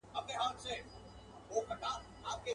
او که نه وي نو حتما به کیمیاګر یې.